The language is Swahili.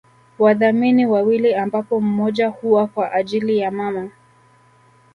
Wadhamini wawili ambapo mmoja huwa kwa ajili ya mama